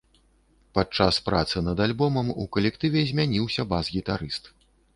Падчас працы над альбомам у калектыве змяніўся бас-гітарыст.